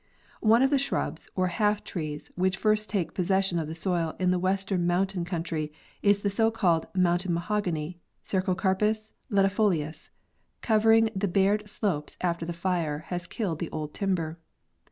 One of the shrubs or half trees which first take possession of the soil in the western mountain country is the socalled mountain mahogany (Cercocarpus ledifolius) covering the bared slopes after the fire has killed the old timber.